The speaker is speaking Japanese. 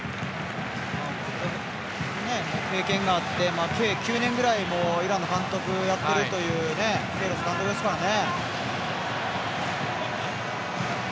経験があって、９年ぐらいイランの監督をやっているというケイロス監督ですからね。